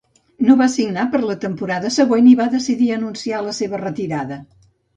No va signar per la temporada següent i va decidir anunciar la seva retirada.